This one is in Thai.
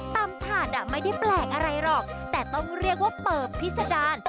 ถัดไม่ได้แปลกอะไรหรอกแต่ต้องเรียกว่าเปิบพิษดาร